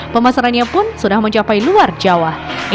pemasarannya pun sudah mencapai luar jawa